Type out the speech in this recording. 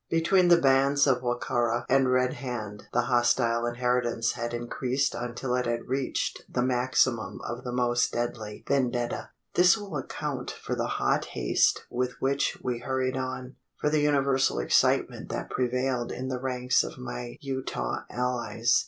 Between the bands of Wa ka ra and Red Hand the hostile inheritance had increased until it had reached the maximum of the most deadly vendetta. This will account for the hot haste with which we hurried on for the universal excitement that prevailed in the ranks of my Utah allies.